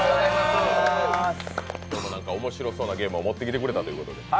今日も面白そうなゲームを持ってきてくれたということで。